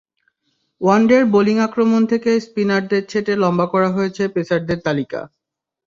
ওয়ানডের bowling আক্রমণ থেকে স্পিনারদের ছেঁটে লম্বা করা হয়েছে পেসারদের তালিকা।